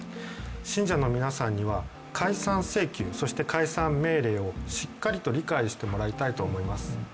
信者の皆さんには、解散請求、そして解散命令をしっかりと理解してもらいたいと思います。